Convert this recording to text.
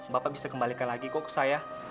bapak bisa kembalikan lagi kok ke saya